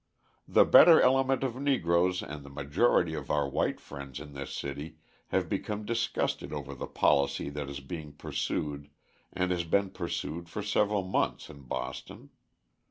The better element of Negroes and the majority of our white friends in this city have become disgusted over the policy that is being pursued and has been pursued for several months in Boston.